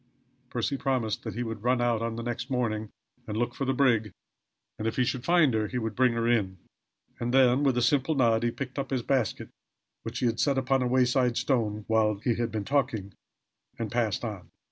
Percy promised that he would run out on the next morning and look for the brig, and if he should find her, he would bring her in and then, with a simple nod, he picked up his basket, which he had set upon a wayside stone while he had been talking, and passed on.